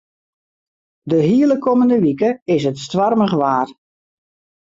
De hiele kommende wike is it stoarmich waar.